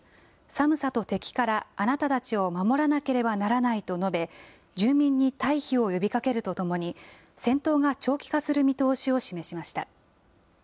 寒さと敵からあなたたちを守らなければならないと述べ、住民に退避を呼びかけるとともに、戦闘が長期化する見通しを示しました。